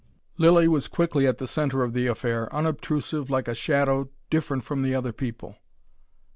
Lilly was quickly at the centre of the affair, unobtrusive like a shadow, different from the other people.